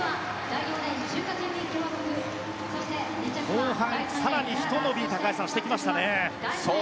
後半、更にひと伸び高橋さん、してきましたね。